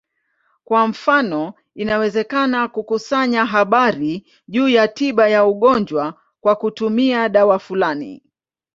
Kwa mfano, inawezekana kukusanya habari juu ya tiba ya ugonjwa kwa kutumia dawa fulani.